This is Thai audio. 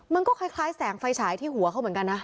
มันก็คล้ายแสงไฟฉายที่หัวเขาเหมือนกันนะ